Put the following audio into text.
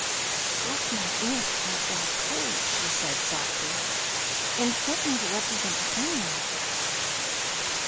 "Both my aunts had bad colds," she said softly, "and sent me to represent the family."